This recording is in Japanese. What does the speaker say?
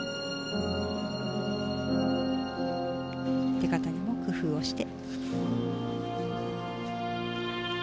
出方にも工夫をして。